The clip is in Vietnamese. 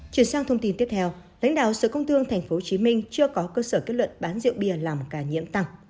chuyển sang thông tin tiếp theo lãnh đạo sở công tương tp hcm chưa có cơ sở kết luận bán rượu bia làm cả nhiễm tặng